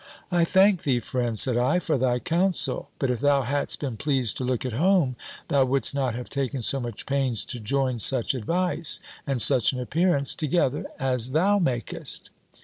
"I thank thee, friend," said I, "for thy counsel; but if thou hadst been pleased to look at home, thou wouldst not have taken so much pains to join such advice, and such an appearance, together, as thou makest!"